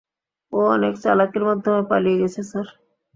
ও অনেক চালাকির মাধ্যমে পালিয়ে গেছে স্যার!